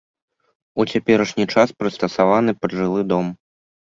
У цяперашні час прыстасаваны пад жылы дом.